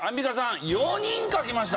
４人書きました？